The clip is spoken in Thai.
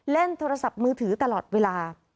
เล่นโทรศัพท์มือถือตลอดเวลา